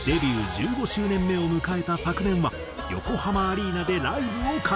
１５周年目を迎えた昨年は横浜アリーナでライブを開催。